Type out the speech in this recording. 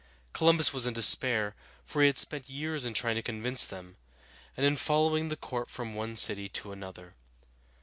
Columbus was in despair, for he had spent years in trying to convince them, and in following the court from one city to another.